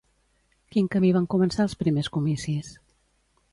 Quin camí van començar els primers comicis?